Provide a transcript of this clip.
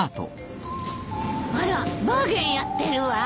あらバーゲンやってるわ。